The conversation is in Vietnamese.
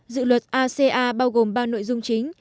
dự luật aca bao gồm ba nội dung chính